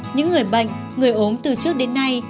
những người bệnh người ốm từ trước đến nay